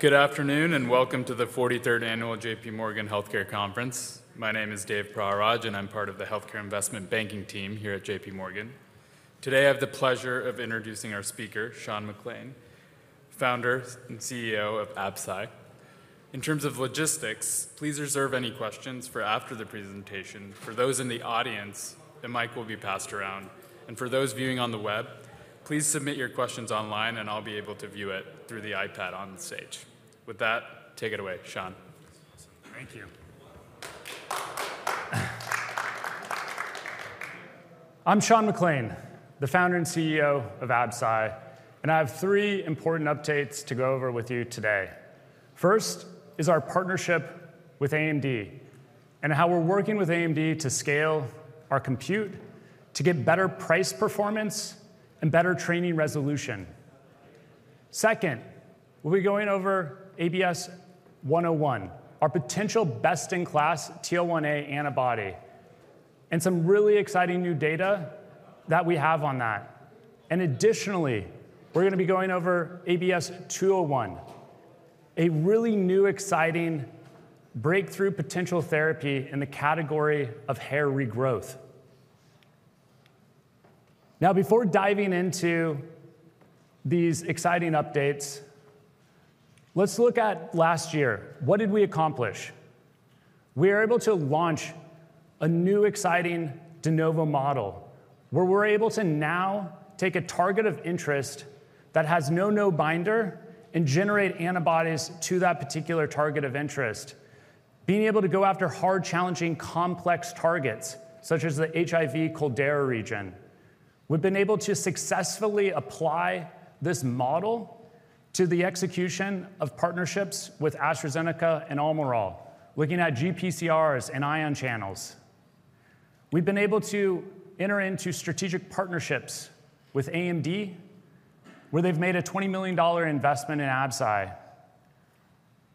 Good afternoon and welcome to the 43rd Annual J.P. Morgan Healthcare Conference. My name is Dave Praharaj, and I'm part of the Healthcare Investment Banking team here at J.P. Morgan. Today, I have the pleasure of introducing our speaker, Sean McClain, Founder and CEO of Absci. In terms of logistics, please reserve any questions for after the presentation. For those in the audience, the mic will be passed around, and for those viewing on the web, please submit your questions online, and I'll be able to view it through the iPad on the stage. With that, take it away, Sean. Thank you. I'm Sean McClain, the founder and CEO of Absci, and I have three important updates to go over with you today. First is our partnership with AMD and how we're working with AMD to scale our compute to get better price performance and better training resolution. Second, we'll be going over ABS-101, our potential best-in-class TL1A antibody, and some really exciting new data that we have on that. And additionally, we're going to be going over ABS-201, a really new, exciting breakthrough potential therapy in the category of hair regrowth. Now, before diving into these exciting updates, let's look at last year. What did we accomplish? We were able to launch a new, exciting de novo model where we're able to now take a target of interest that has no known binder and generate antibodies to that particular target of interest, being able to go after hard, challenging, complex targets such as the HIV CDR3 region. We've been able to successfully apply this model to the execution of partnerships with AstraZeneca and Almirall, looking at GPCRs and ion channels. We've been able to enter into strategic partnerships with AMD, where they've made a $20 million investment in Absci.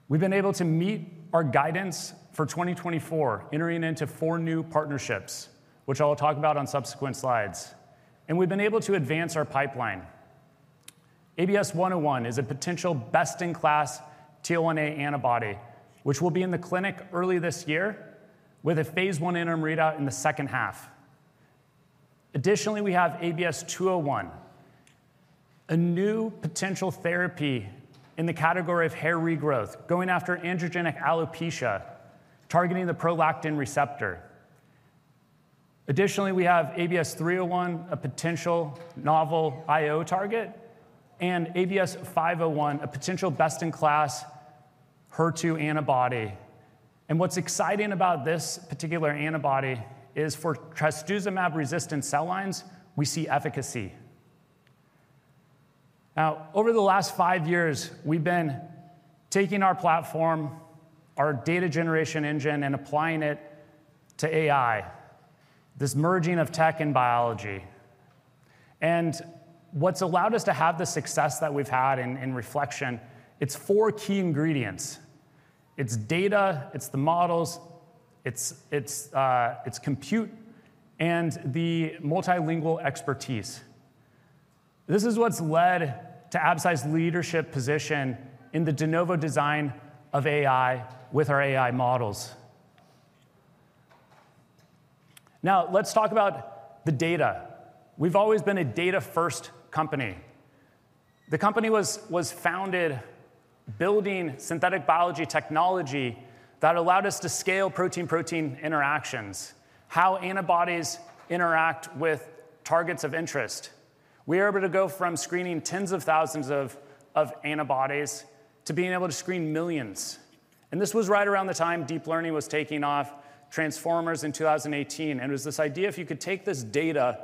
We've been able to meet our guidance for 2024, entering into four new partnerships, which I'll talk about on subsequent slides. We've been able to advance our pipeline. ABS-101 is a potential best-in-class TL1A antibody, which will be in the clinic early this year with a phase one interim readout in the second half. Additionally, we have ABS-201, a new potential therapy in the category of hair regrowth, going after androgenic alopecia, targeting the prolactin receptor. Additionally, we have ABS-301, a potential novel IO target, and ABS-501, a potential best-in-class HER2 antibody. And what's exciting about this particular antibody is for trastuzumab-resistant cell lines, we see efficacy. Now, over the last five years, we've been taking our platform, our data generation engine, and applying it to AI, this merging of tech and biology. And what's allowed us to have the success that we've had in reflection, it's four key ingredients. It's data, it's the models, it's compute, and the multilingual expertise. This is what's led to Absci's leadership position in the de novo design of AI with our AI models. Now, let's talk about the data. We've always been a data-first company. The company was founded building synthetic biology technology that allowed us to scale protein-protein interactions, how antibodies interact with targets of interest. We were able to go from screening tens of thousands of antibodies to being able to screen millions, and this was right around the time deep learning was taking off, Transformers in 2018, and it was this idea if you could take this data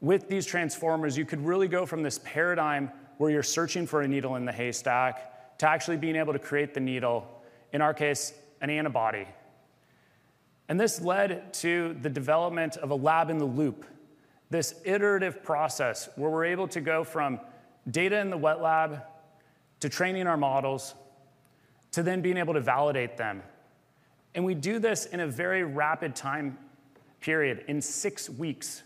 with these Transformers, you could really go from this paradigm where you're searching for a needle in the haystack to actually being able to create the needle, in our case, an antibody, and this led to the development of a lab-in-the-loop, this iterative process where we're able to go from data in the wet lab to training our models to then being able to validate them, and we do this in a very rapid time period, in six weeks.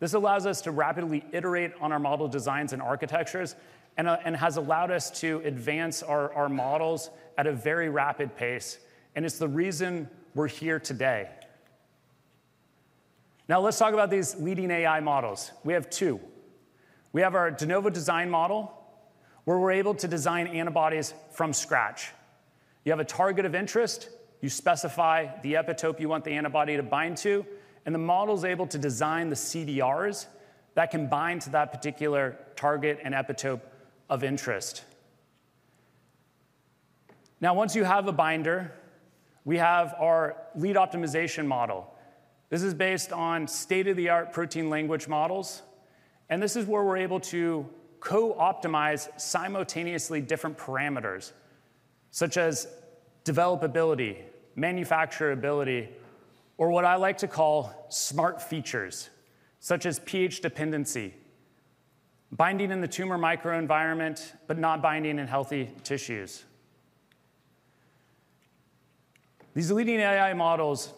This allows us to rapidly iterate on our model designs and architectures and has allowed us to advance our models at a very rapid pace. And it's the reason we're here today. Now, let's talk about these leading AI models. We have two. We have our de novo design model, where we're able to design antibodies from scratch. You have a target of interest, you specify the epitope you want the antibody to bind to, and the model's able to design the CDRs that can bind to that particular target and epitope of interest. Now, once you have a binder, we have our lead optimization model. This is based on state-of-the-art protein language models. And this is where we're able to co-optimize simultaneously different parameters, such as developability, manufacturability, or what I like to call smart features, such as pH dependency, binding in the tumor microenvironment, but not binding in healthy tissues. These leading AI models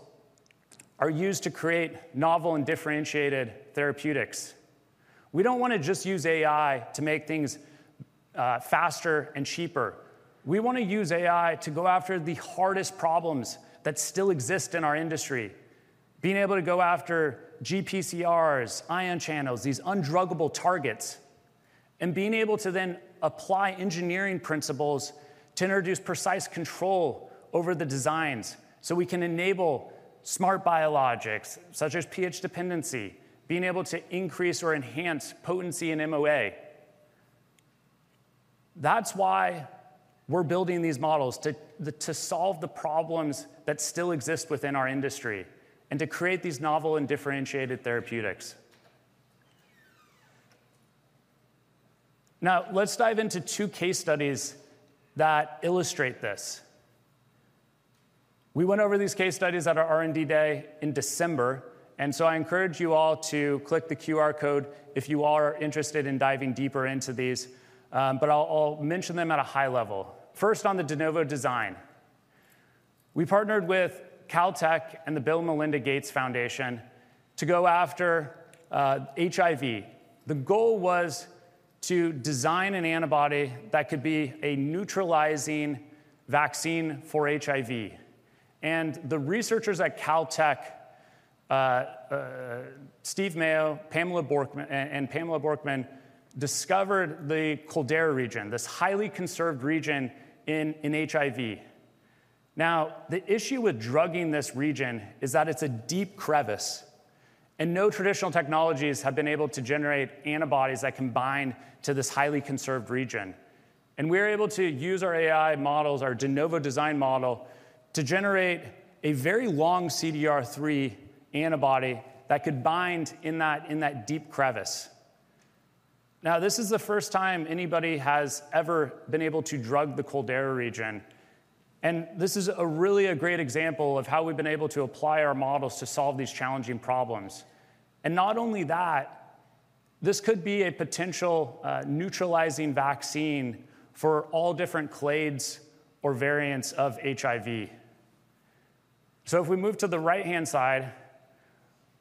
are used to create novel and differentiated therapeutics. We don't want to just use AI to make things faster and cheaper. We want to use AI to go after the hardest problems that still exist in our industry, being able to go after GPCRs, ion channels, these undruggable targets, and being able to then apply engineering principles to introduce precise control over the designs so we can enable smart biologics such as pH dependency, being able to increase or enhance potency in MOA. That's why we're building these models to solve the problems that still exist within our industry and to create these novel and differentiated therapeutics. Now, let's dive into two case studies that illustrate this. We went over these case studies at our R&D Day in December, and so I encourage you all to click the QR code if you are interested in diving deeper into these, but I'll mention them at a high level. First, on the de novo design, we partnered with Caltech and the Bill and Melinda Gates Foundation to go after HIV. The goal was to design an antibody that could be a neutralizing vaccine for HIV, and the researchers at Caltech, Steve Mayo and Pamela Bjorkman, discovered the co-receptor region, this highly conserved region in HIV. Now, the issue with drugging this region is that it's a deep crevice, and no traditional technologies have been able to generate antibodies that can bind to this highly conserved region. And we were able to use our AI models, our de novo design model, to generate a very long CDR3 antibody that could bind in that deep crevice. Now, this is the first time anybody has ever been able to drug the co-receptor region. And this is really a great example of how we've been able to apply our models to solve these challenging problems. And not only that, this could be a potential neutralizing vaccine for all different clades or variants of HIV. So if we move to the right-hand side,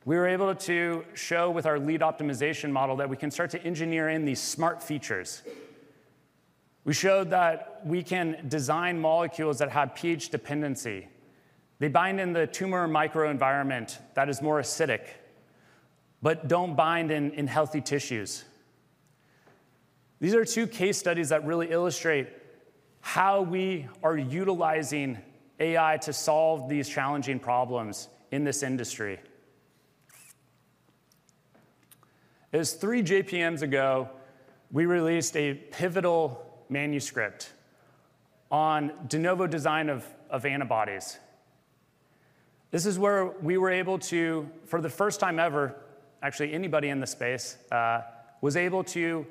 we were able to show with our lead optimization model that we can start to engineer in these smart features. We showed that we can design molecules that have pH dependency. They bind in the tumor microenvironment that is more acidic, but don't bind in healthy tissues. These are two case studies that really illustrate how we are utilizing AI to solve these challenging problems in this industry. As three JPMs ago, we released a pivotal manuscript on de novo design of antibodies. This is where we were able to, for the first time ever, actually anybody in the space was able to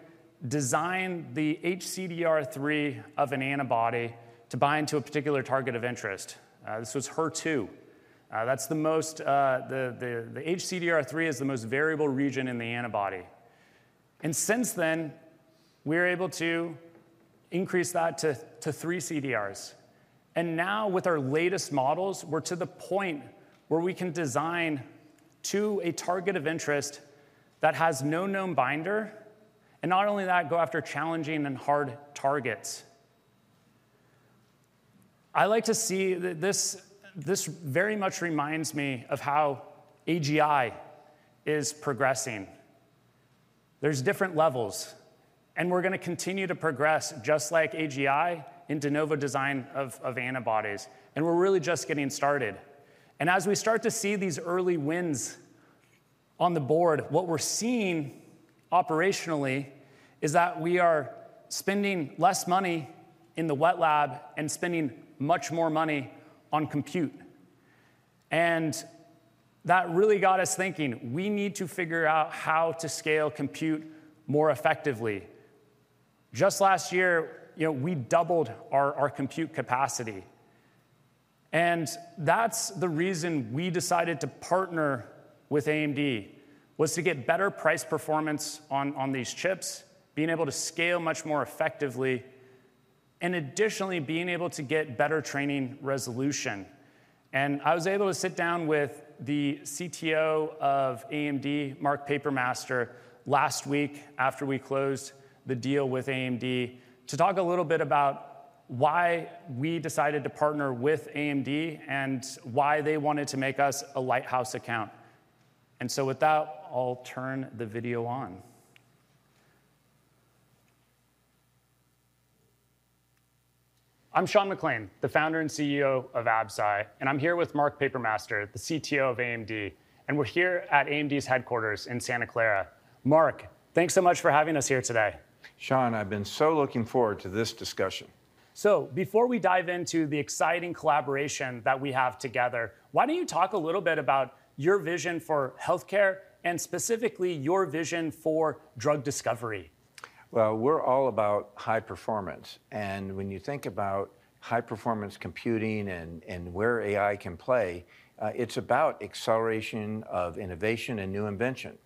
design the HCDR3 of an antibody to bind to a particular target of interest. This was HER2. That's the most, the HCDR3 is the most variable region in the antibody. And since then, we were able to increase that to three CDRs. And now, with our latest models, we're to the point where we can design to a target of interest that has no known binder, and not only that, go after challenging and hard targets. I like to see that this very much reminds me of how AGI is progressing. are different levels, and we're going to continue to progress just like AGI in de novo design of antibodies. We're really just getting started. As we start to see these early wins on the board, what we're seeing operationally is that we are spending less money in the wet lab and spending much more money on compute. That really got us thinking. We need to figure out how to scale compute more effectively. Just last year, we doubled our compute capacity. That's the reason we decided to partner with AMD, was to get better price performance on these chips, being able to scale much more effectively, and additionally being able to get better training resolution. I was able to sit down with the CTO of AMD, Mark Papermaster, last week after we closed the deal with AMD to talk a little bit about why we decided to partner with AMD and why they wanted to make us a Lighthouse account. With that, I'll turn the video on. I'm Sean McClain, the founder and CEO of Absci, and I'm here with Mark Papermaster, the CTO of AMD. We're here at AMD's headquarters in Santa Clara. Mark, thanks so much for having us here today. Sean, I've been so looking forward to this discussion. So before we dive into the exciting collaboration that we have together, why don't you talk a little bit about your vision for healthcare and specifically your vision for drug discovery? We're all about high performance. When you think about high performance computing and where AI can play, it's about acceleration of innovation and new invention.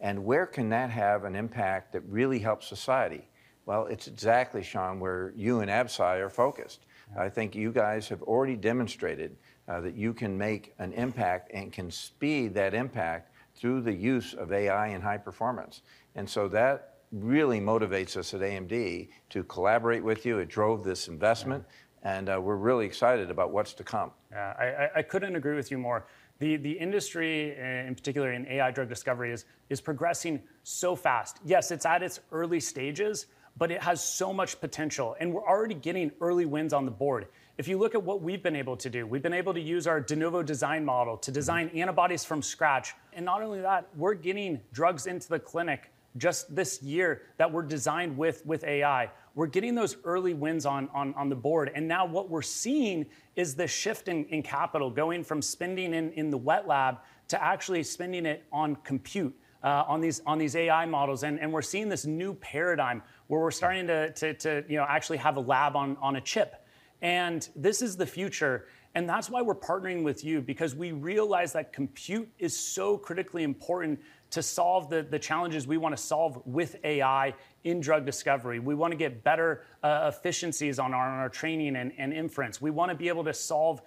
Where can that have an impact that really helps society? It's exactly, Sean, where you and Absci are focused. I think you guys have already demonstrated that you can make an impact and can speed that impact through the use of AI and high performance. That really motivates us at AMD to collaborate with you. It drove this investment, and we're really excited about what's to come. Yeah, I couldn't agree with you more. The industry, in particular in AI drug discovery, is progressing so fast. Yes, it's at its early stages, but it has so much potential. And we're already getting early wins on the board. If you look at what we've been able to do, we've been able to use our de novo design model to design antibodies from scratch. And not only that, we're getting drugs into the clinic just this year that were designed with AI. We're getting those early wins on the board. And now what we're seeing is the shift in capital going from spending in the wet lab to actually spending it on compute, on these AI models. And we're seeing this new paradigm where we're starting to actually have a lab on a chip. And this is the future. And that's why we're partnering with you, because we realize that compute is so critically important to solve the challenges we want to solve with AI in drug discovery. We want to get better efficiencies on our training and inference. We want to be able to solve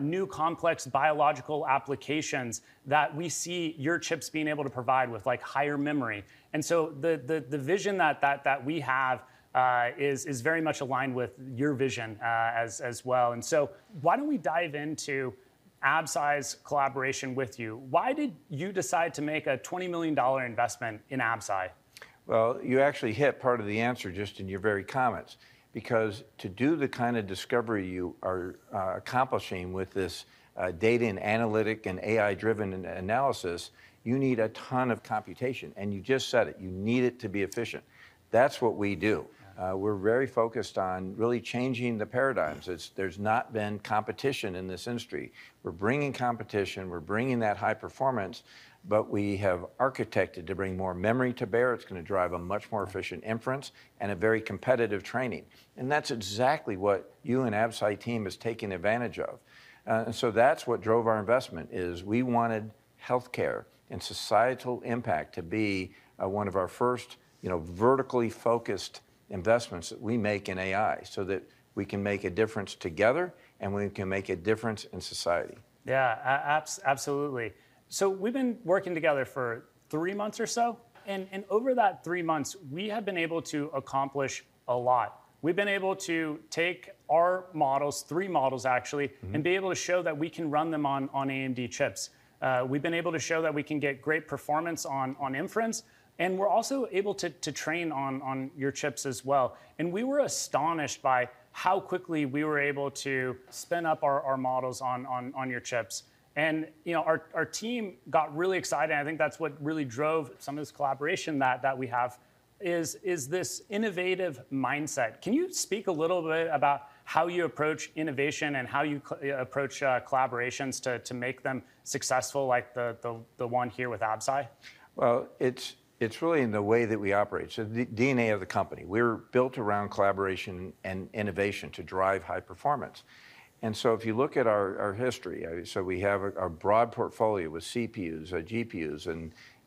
new complex biological applications that we see your chips being able to provide with, like higher memory. And so the vision that we have is very much aligned with your vision as well. And so why don't we dive into Absci's collaboration with you? Why did you decide to make a $20 million investment in Absci? You actually hit part of the answer just in your very comments, because to do the kind of discovery you are accomplishing with this data and analytic and AI-driven analysis, you need a ton of computation. And you just said it. You need it to be efficient. That's what we do. We're very focused on really changing the paradigms. There's not been competition in this industry. We're bringing competition. We're bringing that high performance, but we have architected to bring more memory to bear. It's going to drive a much more efficient inference and a very competitive training. And that's exactly what you and Absci's team have taken advantage of. And so that's what drove our investment, is we wanted healthcare and societal impact to be one of our first vertically focused investments that we make in AI so that we can make a difference together and we can make a difference in society. Yeah, absolutely. So we've been working together for three months or so. And over that three months, we have been able to accomplish a lot. We've been able to take our models, three models actually, and be able to show that we can run them on AMD chips. We've been able to show that we can get great performance on inference. And we're also able to train on your chips as well. And we were astonished by how quickly we were able to spin up our models on your chips. And our team got really excited. And I think that's what really drove some of this collaboration that we have is this innovative mindset. Can you speak a little bit about how you approach innovation and how you approach collaborations to make them successful, like the one here with Absci? It's really in the way that we operate. So the DNA of the company, we're built around collaboration and innovation to drive high performance. And so if you look at our history, so we have a broad portfolio with CPUs, GPUs,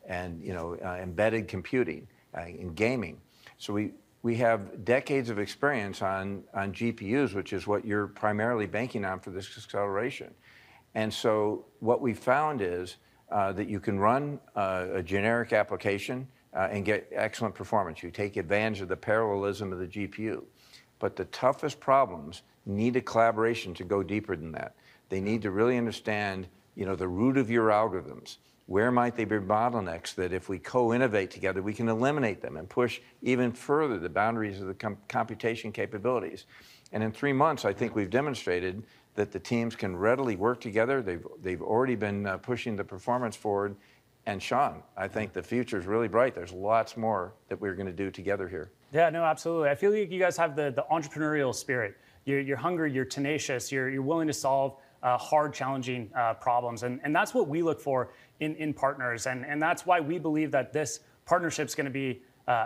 and embedded computing in gaming. So we have decades of experience on GPUs, which is what you're primarily banking on for this acceleration. And so what we found is that you can run a generic application and get excellent performance. You take advantage of the parallelism of the GPU. But the toughest problems need a collaboration to go deeper than that. They need to really understand the root of your algorithms. Where might they be bottlenecks that if we co-innovate together, we can eliminate them and push even further the boundaries of the computation capabilities? In three months, I think we've demonstrated that the teams can readily work together. They've already been pushing the performance forward. Sean, I think the future is really bright. There's lots more that we're going to do together here. Yeah, no, absolutely. I feel like you guys have the entrepreneurial spirit. You're hungry. You're tenacious. You're willing to solve hard, challenging problems. And that's what we look for in partners. And that's why we believe that this partnership is going to be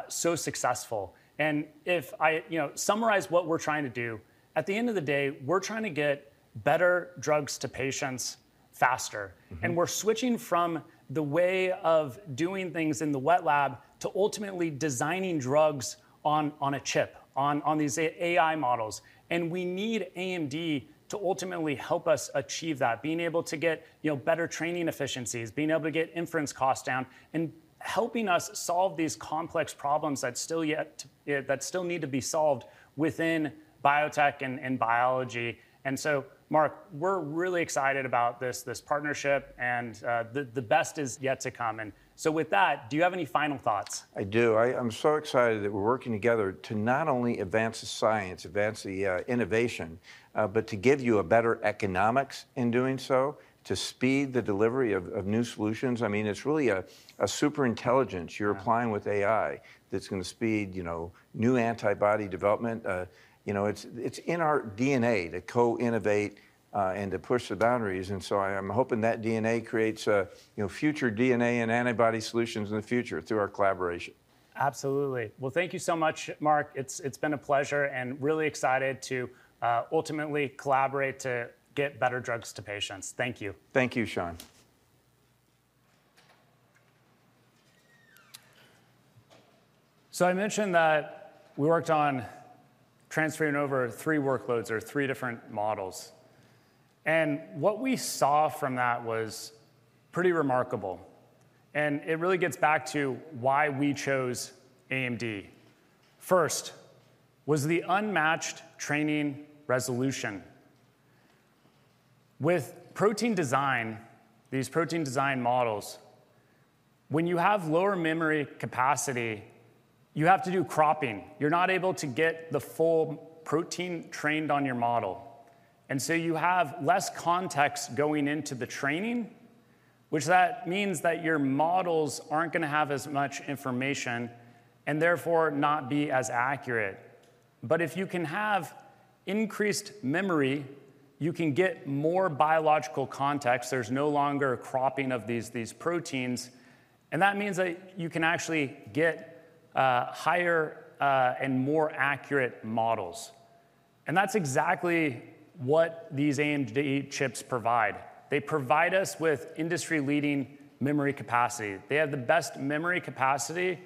so successful. And if I summarize what we're trying to do, at the end of the day, we're trying to get better drugs to patients faster. And we're switching from the way of doing things in the wet lab to ultimately designing drugs on a chip, on these AI models. And we need AMD to ultimately help us achieve that, being able to get better training efficiencies, being able to get inference costs down, and helping us solve these complex problems that still need to be solved within biotech and biology. And so, Mark, we're really excited about this partnership. And the best is yet to come. With that, do you have any final thoughts? I do. I'm so excited that we're working together to not only advance the science, advance the innovation, but to give you a better economics in doing so, to speed the delivery of new solutions. I mean, it's really a superintelligence you're applying with AI that's going to speed new antibody development. It's in our DNA to co-innovate and to push the boundaries. And so I'm hoping that DNA creates future DNA and antibody solutions in the future through our collaboration. Absolutely. Well, thank you so much, Mark. It's been a pleasure and really excited to ultimately collaborate to get better drugs to patients. Thank you. Thank you, Sean. I mentioned that we worked on transferring over three workloads or three different models. And what we saw from that was pretty remarkable. And it really gets back to why we chose AMD. First was the unmatched training resolution. With protein design, these protein design models, when you have lower memory capacity, you have to do cropping. You're not able to get the full protein trained on your model. And so you have less context going into the training, which means that your models aren't going to have as much information and therefore not be as accurate. But if you can have increased memory, you can get more biological context. There's no longer cropping of these proteins. And that means that you can actually get higher and more accurate models. And that's exactly what these AMD chips provide. They provide us with industry-leading memory capacity. They have the best memory capacity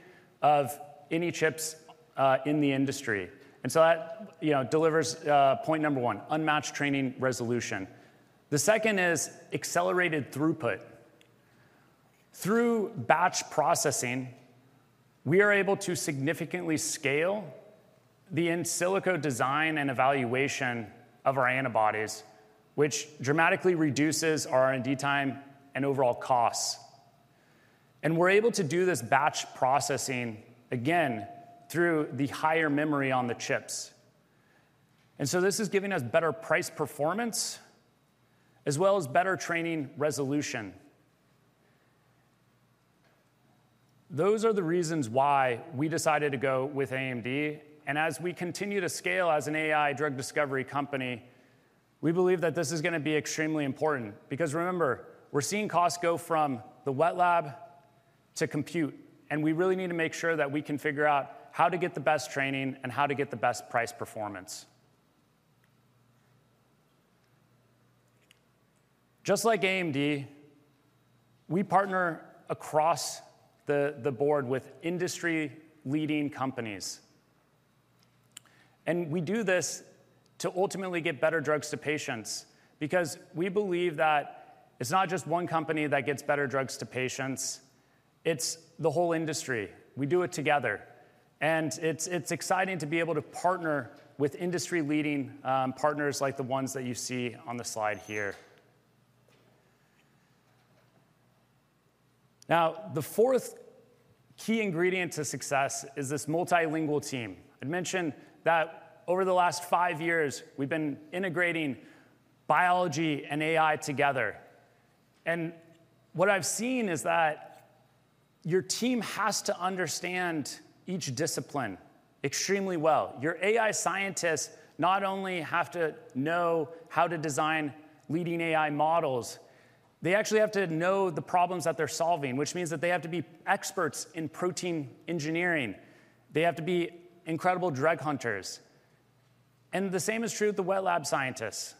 of any chips in the industry. And so that delivers point number one, unmatched training resolution. The second is accelerated throughput. Through batch processing, we are able to significantly scale the in silico design and evaluation of our antibodies, which dramatically reduces our R&D time and overall costs. And we're able to do this batch processing again through the higher memory on the chips. And so this is giving us better price performance as well as better training resolution. Those are the reasons why we decided to go with AMD. And as we continue to scale as an AI drug discovery company, we believe that this is going to be extremely important. Because remember, we're seeing costs go from the wet lab to compute. We really need to make sure that we can figure out how to get the best training and how to get the best price performance. Just like AMD, we partner across the board with industry-leading companies. We do this to ultimately get better drugs to patients because we believe that it's not just one company that gets better drugs to patients. It's the whole industry. We do it together. It's exciting to be able to partner with industry-leading partners like the ones that you see on the slide here. Now, the fourth key ingredient to success is this multilingual team. I'd mentioned that over the last five years, we've been integrating biology and AI together. What I've seen is that your team has to understand each discipline extremely well. Your AI scientists not only have to know how to design leading AI models, they actually have to know the problems that they're solving, which means that they have to be experts in protein engineering. They have to be incredible drug hunters. And the same is true of the wet lab scientists.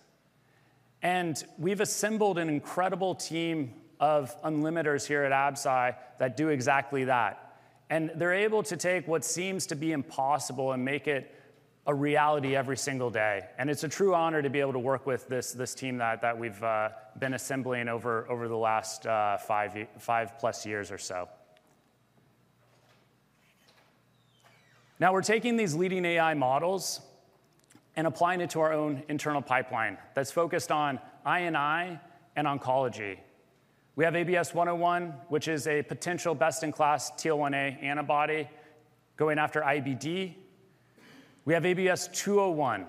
And we've assembled an incredible team of Unlimiters here at Absci that do exactly that. And they're able to take what seems to be impossible and make it a reality every single day. And it's a true honor to be able to work with this team that we've been assembling over the last five plus years or so. Now, we're taking these leading AI models and applying it to our own internal pipeline that's focused on IO and oncology. We have ABS-101, which is a potential best-in-class TL1A antibody going after IBD. We have ABS-201,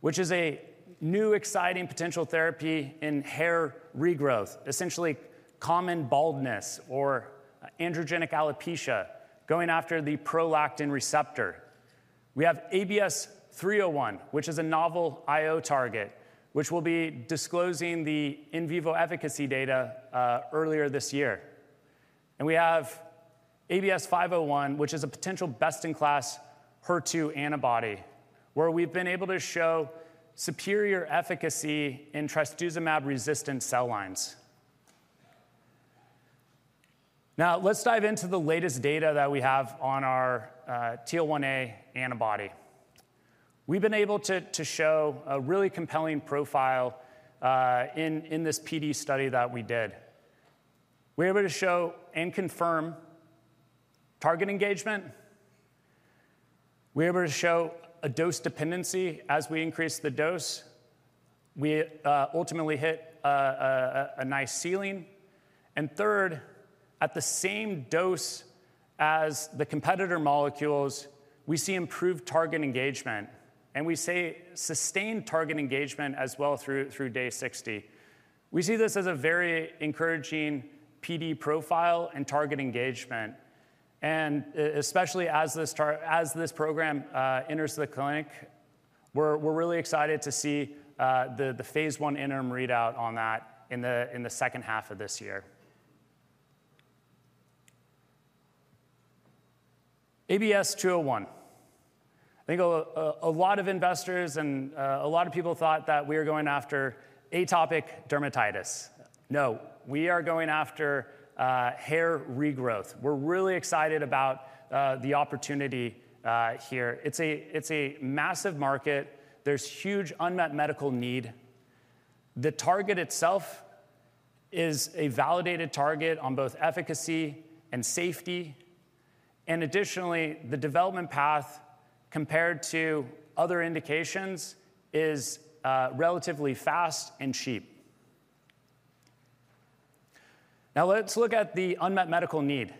which is a new, exciting potential therapy in hair regrowth, essentially common baldness or androgenic alopecia going after the prolactin receptor. We have ABS-301, which is a novel IO target, which will be disclosing the in vivo efficacy data earlier this year. And we have ABS-501, which is a potential best-in-class HER2 antibody, where we've been able to show superior efficacy in trastuzumab-resistant cell lines. Now, let's dive into the latest data that we have on our TL1A antibody. We've been able to show a really compelling profile in this PD study that we did. We were able to show and confirm target engagement. We were able to show a dose dependency as we increased the dose. We ultimately hit a nice ceiling. And third, at the same dose as the competitor molecules, we see improved target engagement. We say sustained target engagement as well through day 60. We see this as a very encouraging PD profile and target engagement. Especially as this program enters the clinic, we're really excited to see the phase one interim readout on that in the second half of this year. ABS-201. I think a lot of investors and a lot of people thought that we were going after atopic dermatitis. No, we are going after hair regrowth. We're really excited about the opportunity here. It's a massive market. There's huge unmet medical need. The target itself is a validated target on both efficacy and safety. Additionally, the development path compared to other indications is relatively fast and cheap. Now, let's look at the unmet medical need.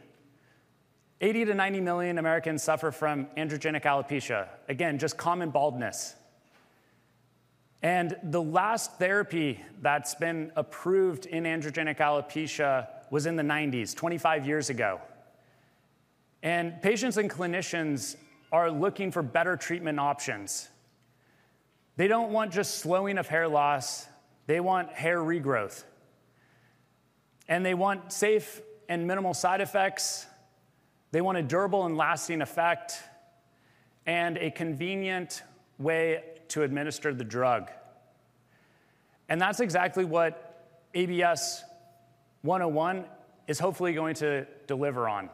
80-90 million Americans suffer from androgenic alopecia. Again, just common baldness. The last therapy that's been approved in androgenic alopecia was in the '90s, 25 years ago. Patients and clinicians are looking for better treatment options. They don't want just slowing of hair loss. They want hair regrowth. They want safe and minimal side effects. They want a durable and lasting effect and a convenient way to administer the drug. That's exactly what ABS-201 is hopefully going to deliver on.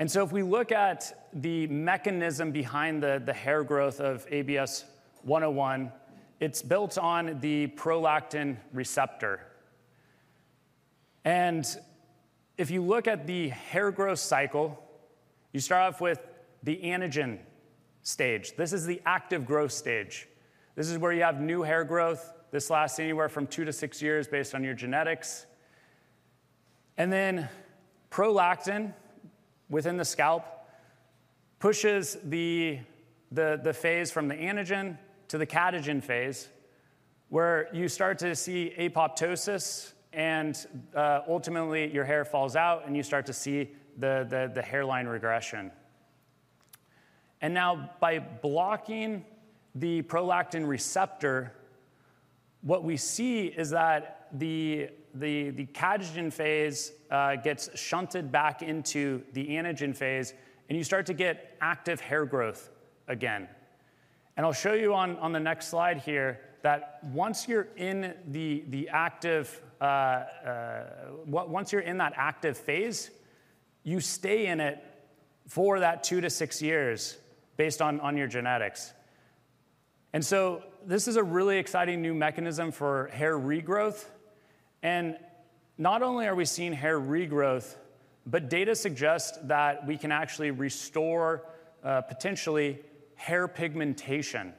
If we look at the mechanism behind the hair growth of ABS-201, it's built on the prolactin receptor. If you look at the hair growth cycle, you start off with the anagen stage. This is the active growth stage. This is where you have new hair growth. This lasts anywhere from two to six years based on your genetics. And then prolactin within the scalp pushes the phase from the anagen to the catagen phase, where you start to see apoptosis. And ultimately, your hair falls out and you start to see the hairline recession. And now, by blocking the prolactin receptor, what we see is that the catagen phase gets shunted back into the anagen phase. And you start to get active hair growth again. And I'll show you on the next slide here that once you're in the active phase, you stay in it for that two to six years based on your genetics. And so this is a really exciting new mechanism for hair regrowth. And not only are we seeing hair regrowth, but data suggest that we can actually restore potentially hair pigmentation,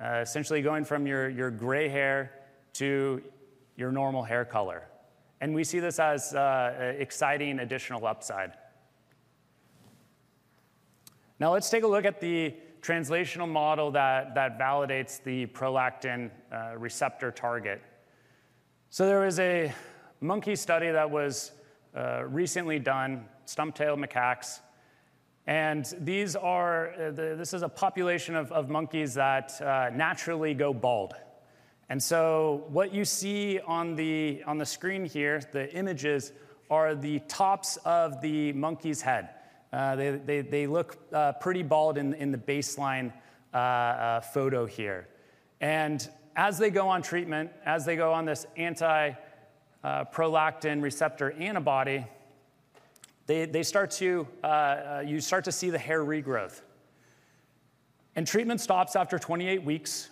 essentially going from your gray hair to your normal hair color. And we see this as an exciting additional upside. Now, let's take a look at the translational model that validates the prolactin receptor target. So there is a monkey study that was recently done, stump-tailed macaque. And this is a population of monkeys that naturally go bald. And so what you see on the screen here, the images, are the tops of the monkey's head. They look pretty bald in the baseline photo here. And as they go on treatment, as they go on this anti-prolactin receptor antibody, you start to see the hair regrowth. And treatment stops after 28 weeks.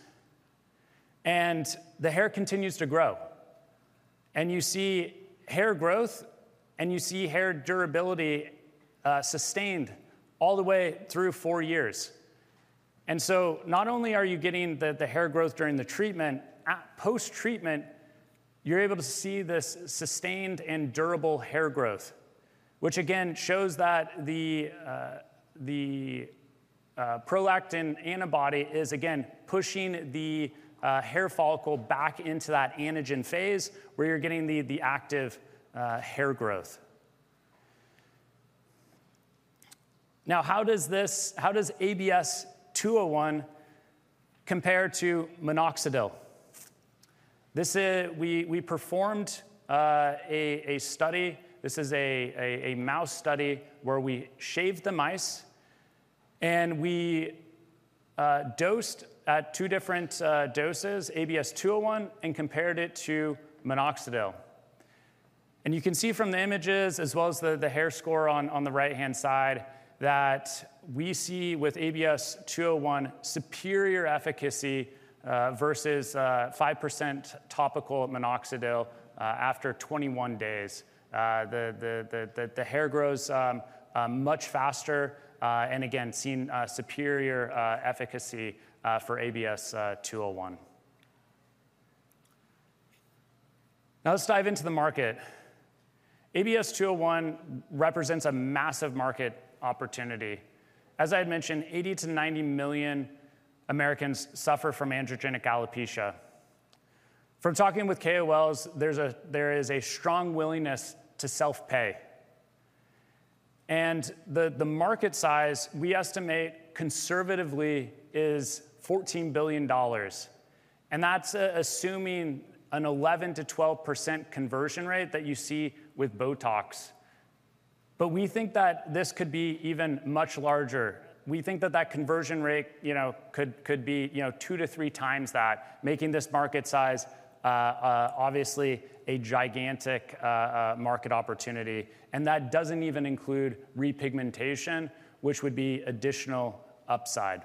And the hair continues to grow. And you see hair growth. And you see hair durability sustained all the way through four years. Not only are you getting the hair growth during the treatment, post-treatment, you're able to see this sustained and durable hair growth, which again shows that the prolactin antibody is again pushing the hair follicle back into that anagen phase where you're getting the active hair growth. Now, how does ABS-201 compare to minoxidil? We performed a study. This is a mouse study where we shaved the mice. We dosed at two different doses, ABS-201 and compared it to minoxidil. You can see from the images as well as the hair score on the right-hand side that we see with ABS-201 superior efficacy versus 5% topical minoxidil after 21 days. The hair grows much faster. Again, seen superior efficacy for ABS-201. Now, let's dive into the market. ABS-201 represents a massive market opportunity. As I had mentioned, 80-90 million Americans suffer from androgenic alopecia. From talking with KOLs, there is a strong willingness to self-pay. And the market size, we estimate conservatively, is $14 billion. And that's assuming an 11%-12% conversion rate that you see with Botox. But we think that this could be even much larger. We think that that conversion rate could be two to three times that, making this market size obviously a gigantic market opportunity. And that doesn't even include repigmentation, which would be additional upside.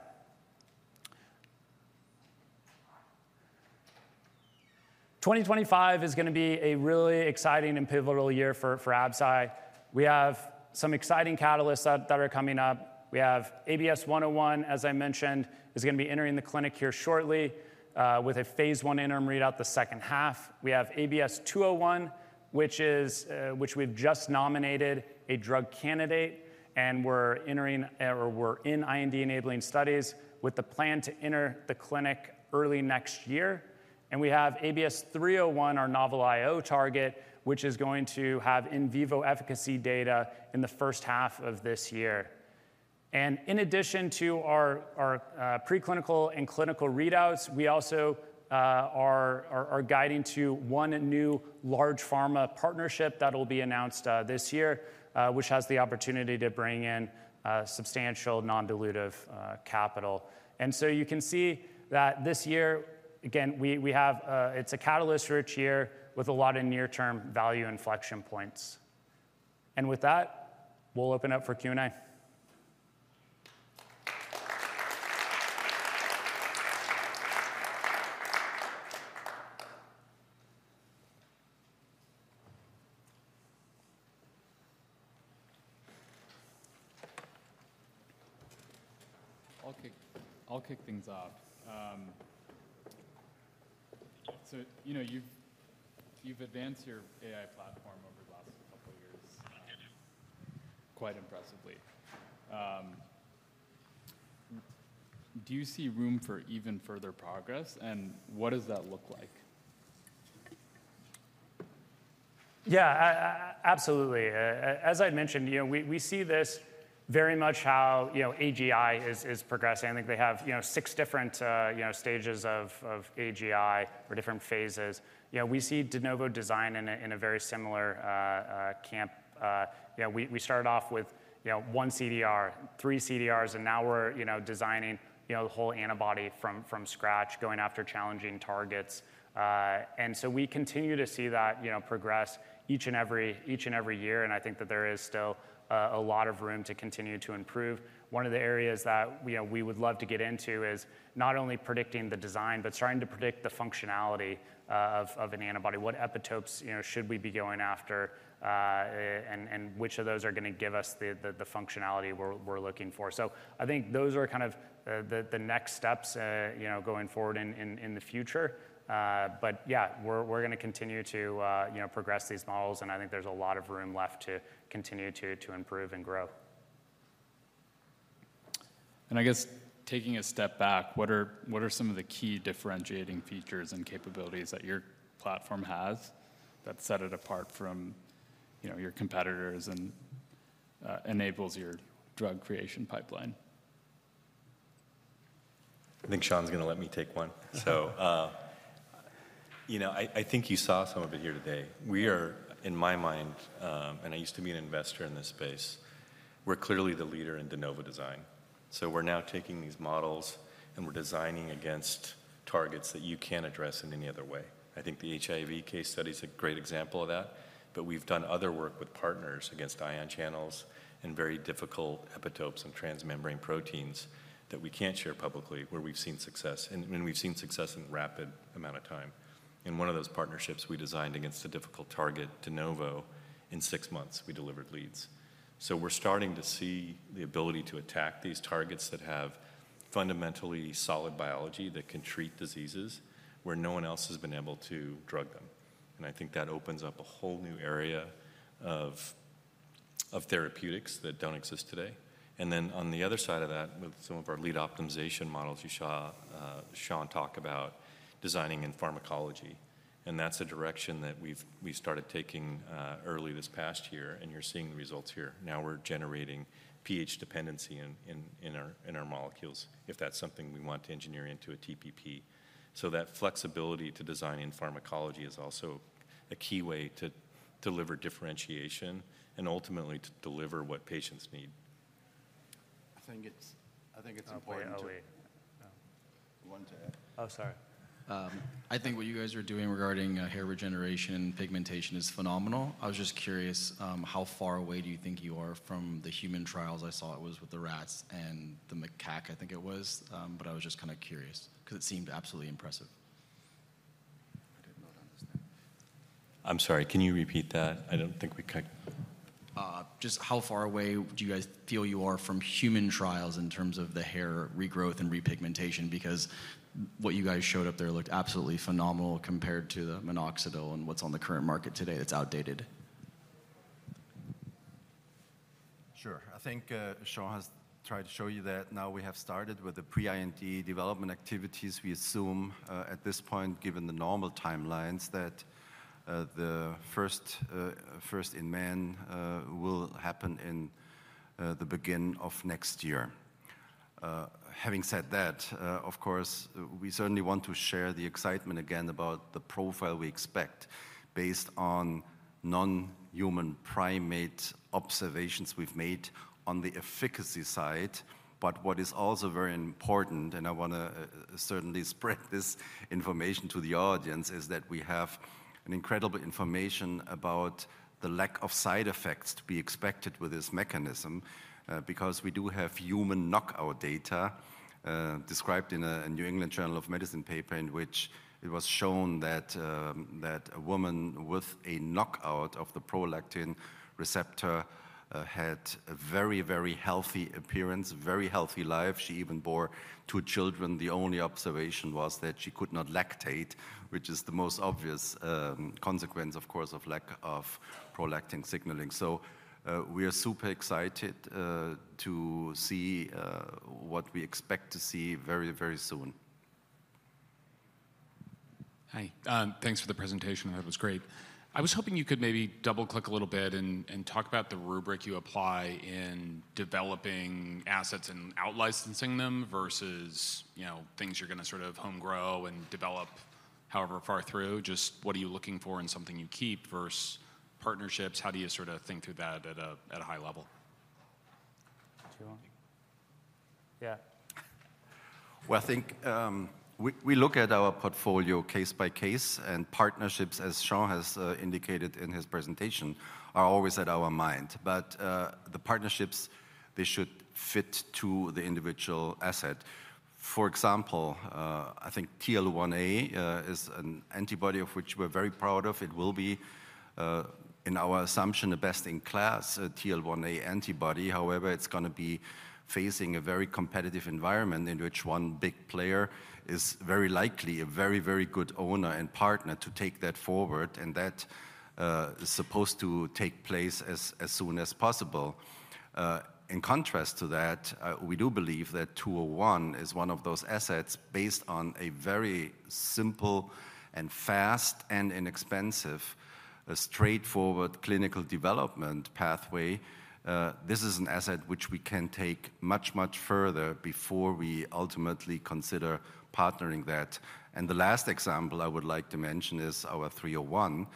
2025 is going to be a really exciting and pivotal year for Absci. We have some exciting catalysts that are coming up. We have ABS-101, as I mentioned, is going to be entering the clinic here shortly with a phase one interim readout the second half. We have ABS-201, which we've just nominated a drug candidate. We're in IND enabling studies with the plan to enter the clinic early next year. We have ABS-301, our novel IO target, which is going to have in vivo efficacy data in the first half of this year. In addition to our preclinical and clinical readouts, we also are guiding to one new large pharma partnership that will be announced this year, which has the opportunity to bring in substantial non-dilutive capital. You can see that this year, again, it's a catalyst-rich year with a lot of near-term value inflection points. With that, we'll open up for Q&A. I'll kick things off, so you've advanced your AI platform over the last couple of years quite impressively. Do you see room for even further progress, and what does that look like? Yeah, absolutely. As I mentioned, we see this very much how AGI is progressing. I think they have six different stages of AGI or different phases. We see de novo design in a very similar camp. We started off with one CDR, three CDRs, and now we're designing the whole antibody from scratch, going after challenging targets. And so we continue to see that progress each and every year. And I think that there is still a lot of room to continue to improve. One of the areas that we would love to get into is not only predicting the design, but starting to predict the functionality of an antibody. What epitopes should we be going after? And which of those are going to give us the functionality we're looking for? So I think those are kind of the next steps going forward in the future. But yeah, we're going to continue to progress these models. And I think there's a lot of room left to continue to improve and grow. I guess taking a step back, what are some of the key differentiating features and capabilities that your platform has that set it apart from your competitors and enables your drug creation pipeline? I think Sean's going to let me take one, so I think you saw some of it here today. We are, in my mind, and I used to be an investor in this space, we're clearly the leader in de novo design, so we're now taking these models and we're designing against targets that you can't address in any other way. I think the HIV case study is a great example of that, but we've done other work with partners against ion channels and very difficult epitopes and transmembrane proteins that we can't share publicly where we've seen success, and we've seen success in a rapid amount of time. In one of those partnerships, we designed against a difficult target, de novo, in six months, we delivered leads. So we're starting to see the ability to attack these targets that have fundamentally solid biology that can treat diseases where no one else has been able to drug them. And I think that opens up a whole new area of therapeutics that don't exist today. And then on the other side of that, with some of our lead optimization models you saw Sean talk about designing in pharmacology. And that's a direction that we've started taking early this past year. And you're seeing the results here. Now we're generating pH dependency in our molecules if that's something we want to engineer into a TPP. So that flexibility to design in pharmacology is also a key way to deliver differentiation and ultimately to deliver what patients need. I think it's important. I want to add-- Oh, sorry. I think what you guys are doing regarding hair regeneration and pigmentation is phenomenal. I was just curious, how far away do you think you are from the human trials? I saw it was with the rats and the macaque, I think it was. But I was just kind of curious because it seemed absolutely impressive. I did not understand. I'm sorry. Can you repeat that? I don't think we cut-. Just how far away do you guys feel you are from human trials in terms of the hair regrowth and repigmentation? Because what you guys showed up there looked absolutely phenomenal compared to the minoxidil and what's on the current market today that's outdated. Sure. I think Sean has tried to show you that now we have started with the pre-IND development activities. We assume at this point, given the normal timelines, that the first in man will happen in the beginning of next year. Having said that, of course, we certainly want to share the excitement again about the profile we expect based on non-human primate observations we've made on the efficacy side. But what is also very important, and I want to certainly spread this information to the audience, is that we have incredible information about the lack of side effects to be expected with this mechanism because we do have human knockout data described in a New England Journal of Medicine paper in which it was shown that a woman with a knockout of the prolactin receptor had a very, very healthy appearance, very healthy life. She even bore two children. The only observation was that she could not lactate, which is the most obvious consequence, of course, of lack of prolactin signaling. So we are super excited to see what we expect to see very, very soon. Hi. Thanks for the presentation. That was great. I was hoping you could maybe double-click a little bit and talk about the rubric you apply in developing assets and out-licensing them versus things you're going to sort of home-grow and develop however far through. Just what are you looking for in something you keep versus partnerships? How do you sort of think through that at a high level? Yeah. I think we look at our portfolio case by case. Partnerships, as Sean has indicated in his presentation, are always on our mind. The partnerships, they should fit to the individual asset. For example, I think TL1A is an antibody of which we're very proud of. It will be, in our assumption, the best in class, a TL1A antibody. However, it's going to be facing a very competitive environment in which one big player is very likely a very, very good owner and partner to take that forward. That is supposed to take place as soon as possible. In contrast to that, we do believe that 201 is one of those assets based on a very simple and fast and inexpensive, straightforward clinical development pathway. This is an asset which we can take much, much further before we ultimately consider partnering that. And the last example I would like to mention is our 301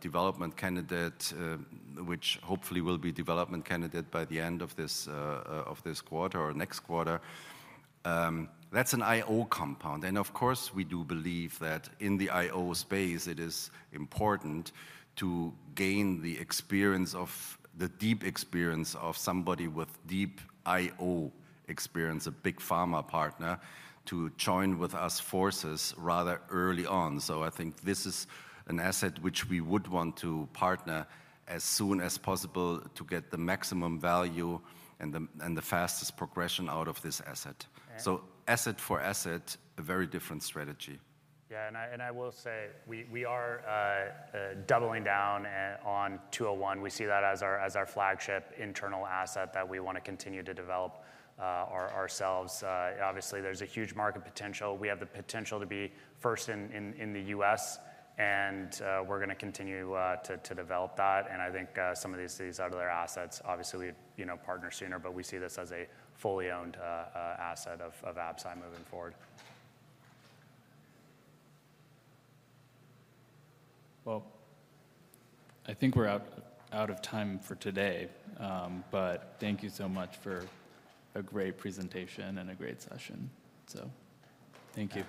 development candidate, which hopefully will be development candidate by the end of this quarter or next quarter. That's an IO compound. And of course, we do believe that in the IO space, it is important to gain the experience of the deep experience of somebody with deep IO experience, a big pharma partner, to join forces with us rather early on. So I think this is an asset which we would want to partner as soon as possible to get the maximum value and the fastest progression out of this asset. So asset for asset, a very different strategy. Yeah. And I will say we are doubling down on 201. We see that as our flagship internal asset that we want to continue to develop ourselves. Obviously, there's a huge market potential. We have the potential to be first in the U.S. And we're going to continue to develop that. And I think some of these other assets, obviously, we'd partner sooner. But we see this as a fully owned asset of Absci moving forward. I think we're out of time for today. Thank you so much for a great presentation and a great session. Thank you.